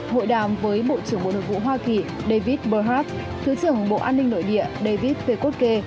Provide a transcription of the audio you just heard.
hội đàm với bộ trưởng bộ nội vụ hoa kỳ david burhat thứ trưởng bộ an ninh nội địa david pekovke